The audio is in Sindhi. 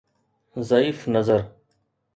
ضعيف نظر